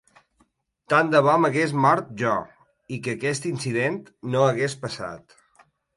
Tant de bo m’hagués mort jo i que aquest incident no hagués passat.